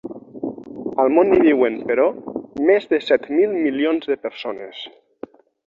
Al món hi viuen, però, més de set mil milions de persones.